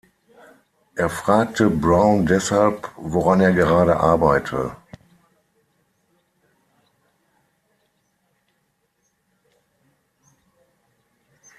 Er fragte Brown deshalb, woran er gerade arbeite.